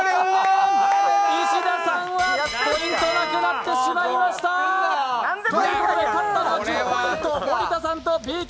石田さんはポイント、なくなってしまいましたー。